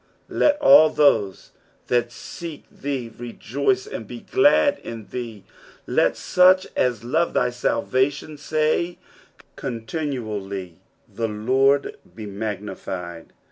16 Let ail those that seek thee rejoice and be glad in thee : let ,such as love thy salvation say continually, The Lord be magnified.